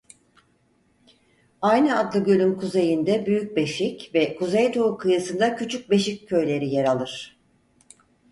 Aynı adlı gölün kuzeyinde Büyük Beşik ve kuzeydoğu kıyısında Küçük Beşik köyleri yer alır.